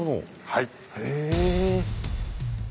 はい。